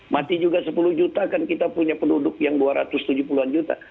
mati juga sepuluh juta kan kita punya penduduk yang dua ratus tujuh puluh an juta